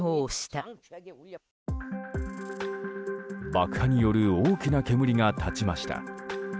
爆破による大きな煙が立ちました。